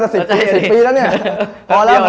จะครบแล้ว๑๐ปีแล้วเนี่ย